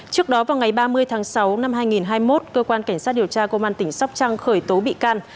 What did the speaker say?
trước đó vào ngày ba mươi tháng sáu năm hai nghìn hai mươi một cơ quan cảnh sát điều tra công an tỉnh sóc trăng khởi tố bị can